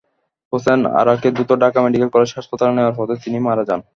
হোসনে আরাকে দ্রুত Dhaka medical college হাসপাতালে নেওয়ার পথে তিনি মারা যান।